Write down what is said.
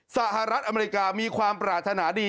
สหรัฐอเมริกามีความปรารถนาดี